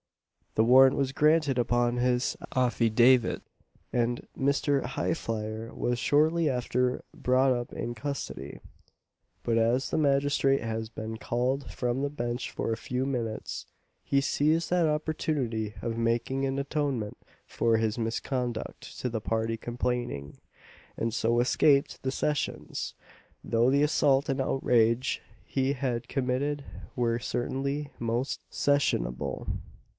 The warrant was granted upon his affidavit, and Mr. Highflyer was shortly after brought up in custody; but as the magistrate had been called from the bench for a few minutes, he seized that opportunity of making an atonement for his misconduct to the party complaining, and so escaped the Sessions, though the assault and outrage he had committed were certainly most sessionable.